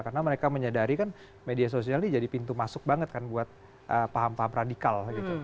karena mereka menyadari kan media sosial ini jadi pintu masuk banget kan buat paham paham radikal